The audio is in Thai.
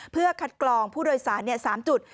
เพื่อคัดกรองผู้โดยสาร๓จุด